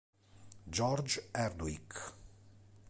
George Hardwick